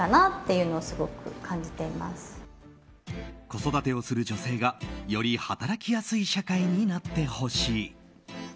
子育てをする女性がより働きやすい社会になってほしい。